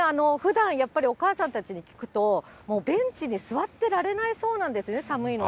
ふだん、やっぱりお母さんたちに聞くと、ベンチに座ってられないそうなんですね、寒いので。